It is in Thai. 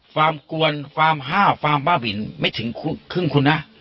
กวนฟาร์ม๕ฟาร์มบ้าบินไม่ถึงครึ่งคุณนะ